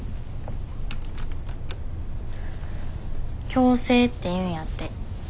共生っていうんやって。